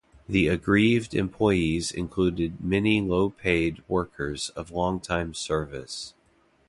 The aggrieved employees included many low-paid workers of longtime service.